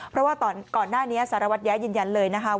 เพราะว่าก่อนหน้านี้สารวัตรแย้ยืนยันเลยนะคะ